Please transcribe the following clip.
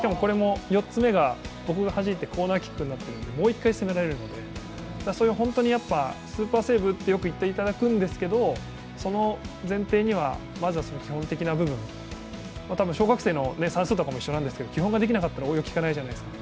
４つ目が、僕がはじいてコーナーキックになってるのでもう１回攻められるので、スーパーセーブとよく言っていただくんですけど、その前提には、まずは基本的な部分多分、小学生の算数とかも一緒なんですけど基本ができなかったら応用が効かないじゃないですか。